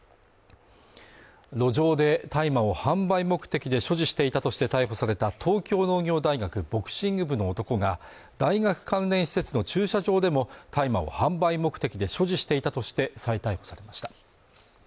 路上で大麻を販売目的で所持していたとして逮捕された東京農業大学ボクシング部の男が大学関連施設の駐車場でも大麻を販売目的で所持していたとして再逮捕されました